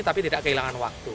tapi tidak kehilangan waktu